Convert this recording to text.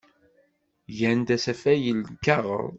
Gan-d asafag n lkaɣeḍ.